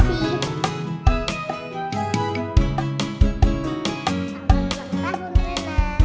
selamat ulang tahun rena